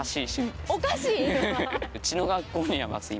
おかしい？